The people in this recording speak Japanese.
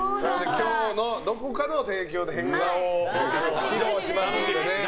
今日のどこかの提供で変顔を披露しますので。